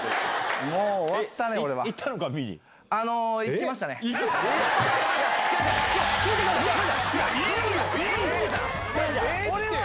もう終わったね、俺は。